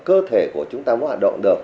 cơ thể của chúng ta muốn hoạt động được